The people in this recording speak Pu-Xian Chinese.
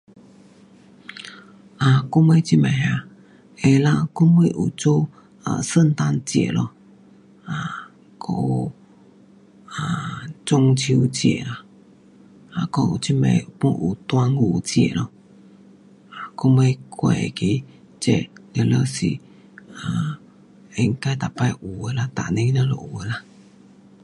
啊，我们这边啊，会啦，我们有做 um 圣诞节咯，啊，还有 um 中秋节啊，还有这边 pun 有端午节，还有我们过那个这全部是应该每次有的啦，每年全部有的啦